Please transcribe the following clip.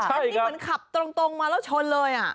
อันนี้เหมือนขับตรงมาแล้วชนเลย